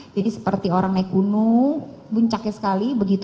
jadi seperti orang naik unu buncaknya sekali begitu